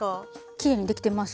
きれいにできてます。